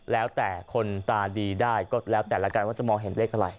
แล้วแต่คนตาดีได้ก็แล้วแต่ละกันว่าจะมองเห็นเลขอะไร